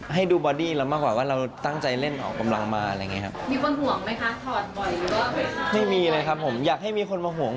ให้ดูบอดี้ได้มากกว่าเราตั้งใจเล่นออก